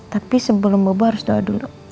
tapi sebelum mubah harus doa dulu